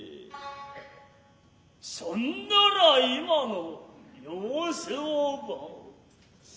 そんなら今の様子をば。